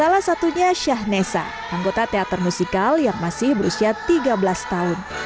salah satunya syah nessa anggota teater musikal yang masih berusia tiga belas tahun